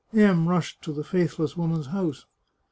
M rushed to the faithless woman's house.